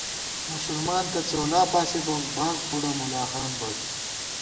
مسلمان تہ څؤلاپاݪی بوک ، باب بُڈہ ملاہان بوئیت